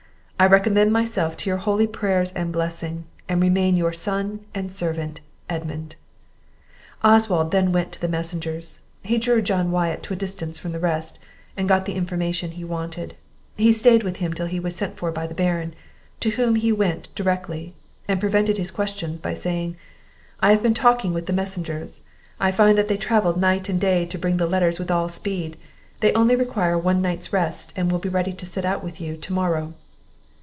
I recommend myself to your holy prayers and blessing, and remain your son and servant, Edmund." Oswald then went to the messengers; he drew John Wyatt to a distance from the rest, and got the information he wanted. He stayed with him till he was sent for by the Baron, to whom he went directly, and prevented his questions, by saying, "I have been talking with the messengers; I find they have travelled night and day to bring the letters with all speed; they only require one night's rest, and will be ready to set out with you to morrow."